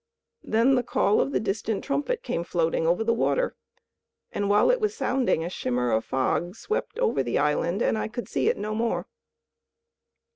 Then the call of the distant trumpet came floating across the water, and while it was sounding a shimmer of fog swept over the island and I could see it no more."